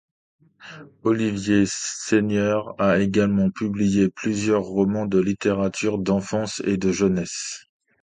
Olivier Seigneur a également publié plusieurs romans de littérature d’enfance et de jeunesse.